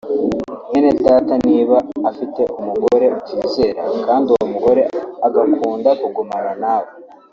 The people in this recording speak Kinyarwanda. “Mwene Data niba afite umugore utizera kandi uwo mugore agakunda kugumana na we